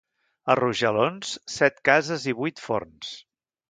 A Rojalons, set cases i vuit forns.